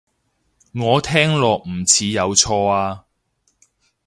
我聽落唔似有錯啊